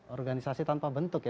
organisasi tanpa bentuk ya